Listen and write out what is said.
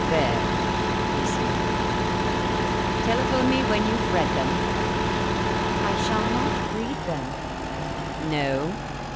"There," said he. "Telephone me when you have read them." "I shall not read them." "No?"